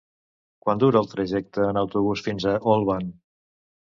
Quant dura el trajecte en autobús fins a Olvan?